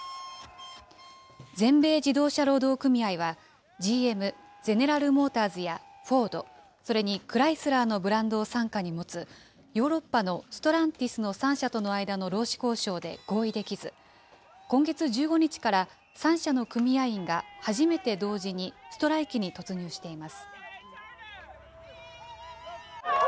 全米自動車労働組合は、ＧＭ・ゼネラル・モーターズやフォード、それにクライスラーのブランドを傘下に持つヨーロッパのストランティスの３社との間の労使交渉で合意できず、今月１５日から３社の組合員が初めて同時にストライキに突入しています。